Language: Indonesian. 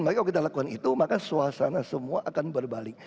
maka kalau kita lakukan itu maka suasana semua akan berbalik